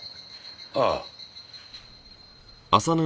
ああ。